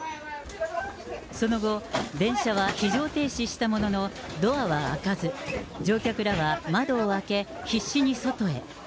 その後、電車は非常停止したものの、ドアは開かず、乗客らは窓を開け、必死に外へ。